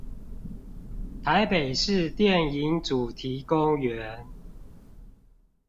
臺北市電影主題公園